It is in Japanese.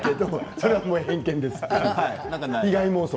それは偏見です。